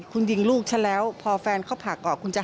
คุณยิงลูกฉะนั้นแล้วพอแฟนเขลาผากออกมา